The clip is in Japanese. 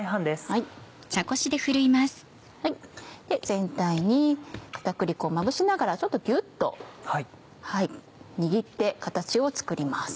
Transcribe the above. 全体に片栗粉をまぶしながらちょっとぎゅっと握って形を作ります。